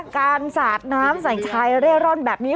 การสาดน้ำใส่ชายเร่ร่อนแบบนี้